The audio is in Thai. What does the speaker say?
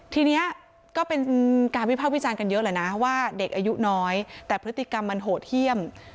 ทีนี้ก็เป็นการวิภาควิจารณ์กันเยอะแหละนะว่าเด็กอายุน้อยแต่พฤติกรรมมันโหดเยี่ยม